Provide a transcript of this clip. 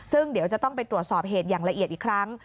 ซึ่งเดี๋ยวจะต้องไปตรวจสอบเหตุอย่างละเอียดอีกครั้ง